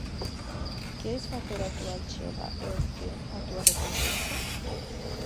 Queres facer a túa achega e obter a túa recompensa?